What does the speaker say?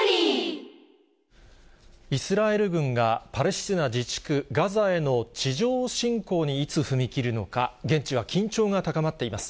イスラエル軍がパレスチナ自治区ガザへの地上侵攻にいつ踏み切るのか、現地は緊張が高まっています。